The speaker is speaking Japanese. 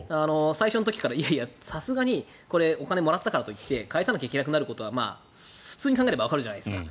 最初の時からいやいや、さすがにこれお金をもらったからといって返さなきゃいけなくなることは普通に考えればわかるじゃないですか。